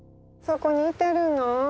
そこにいてるの？